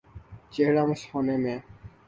چہر ہ مسخ ہونے میں۔